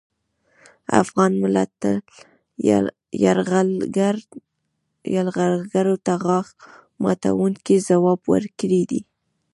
افغان ملت تل یرغلګرو ته غاښ ماتوونکی ځواب ورکړی دی